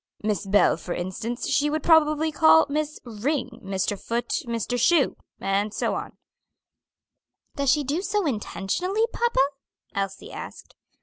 Miss Bell, for instance, she would probably call Miss Ring; Mr. Foot, Mr. Shoe, and so on." "Does she do so intentionally, papa?" Elsie asked.